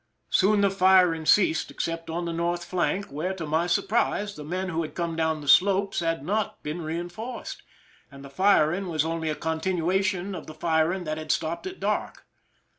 Soon the firing ceased, except on the north flank, where, to my surprise, the men who had come down the slope had not been reinforced, and the firing was only a continuation of the firing that had stopped at dark.